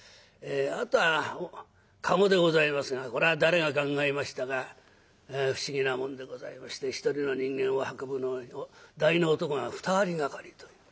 あとは駕籠でございますがこれは誰が考えましたか不思議なもんでございまして１人の人間を運ぶのに大の男が２人がかりという。